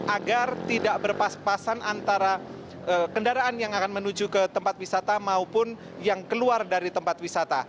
agar tidak berpas pasan antara kendaraan yang akan menuju ke tempat wisata maupun yang keluar dari tempat wisata